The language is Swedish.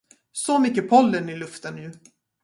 Så mycket pollen i luften nu.